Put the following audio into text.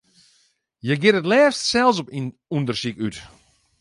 Hja giet it leafst sels op ûndersyk út.